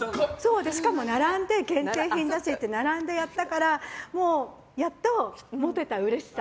しかも並んで限定品だしっていうのでもう、やっと持てたうれしさ。